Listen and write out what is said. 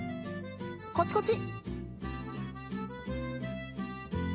こっちこっち！